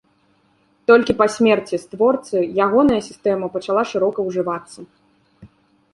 Толькі па смерці створцы ягоная сістэма пачала шырока ўжывацца.